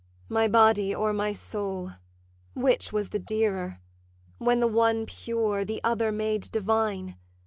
'My body or my soul, which was the dearer, When the one pure, the other made divine?